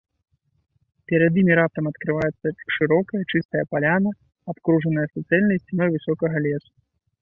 Перад імі раптам адкрываецца шырокая чыстая паляна, абкружаная суцэльнай сцяной высокага лесу.